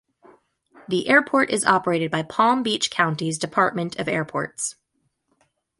The airport is operated by Palm Beach County's Department of Airports.